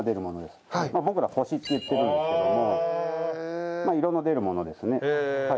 僕ら星って言ってるんですけども色の出るものですね。